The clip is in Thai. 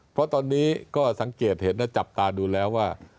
เพราะตอนนี้ก็สังเกตเห็นและจับตาดูแล้วว่า